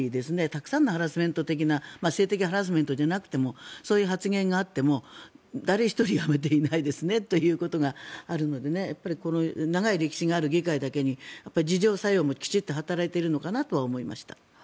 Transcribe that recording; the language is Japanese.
たくさんのハラスメント的な性的ハラスメントじゃなくてもそういう発言があっても誰一人辞めていないですねということがあるので長い歴史がある議会なだけに自浄作用がきちんと働いているのかなと思いました。